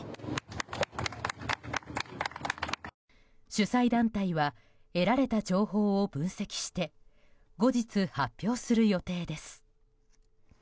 主催団体は得られた情報を分析して後日、発表する予定です。